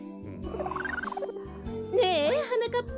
ねえはなかっぱ。